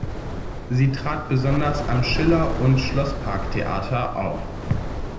Sie trat besonders am Schiller- und Schlossparktheater auf.